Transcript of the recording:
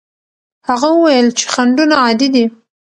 هغه وویل چې خنډونه عادي دي.